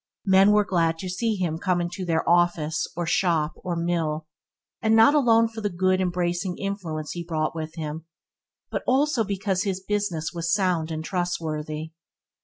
Men were glad to see him come into their office or shop or mill, and not alone for the good and bracing influence he brought with him, but also because his business was sound and trustworthy.